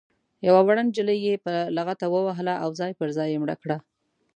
یوه وړه نجلۍ یې په لغته ووهله او ځای پر ځای یې مړه کړه.